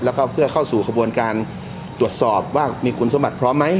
แล้วก็เพื่อเข้าสู่ขบวนการตรวจสอบว่ามีคุณสมบัติพร้อมไหม